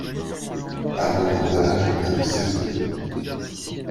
Harmonie d'âge et de saison.